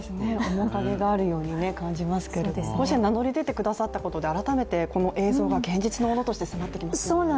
面影があるように感じますけど、名乗り出てくださったことで改めてこの映像が現実のものとして。